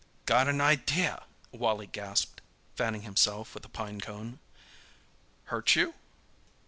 "Got an idea," Wally gasped, fanning himself with a pine cone. "Hurt you?"